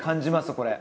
これ。